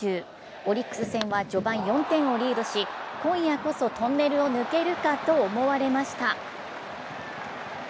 オリックス戦は序盤４点をリードし今夜こそトンネルを抜けるかと思われました。